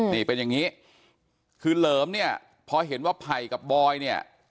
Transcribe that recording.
นี่เป็นอย่างนี้คือเหลิมเนี่ยพอเห็นว่าไผ่กับบอยเนี่ย